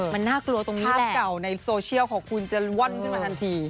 มันน่ากลัวตรงนี้เก่าในโซเชียลของคุณจะว่อนขึ้นมาทันที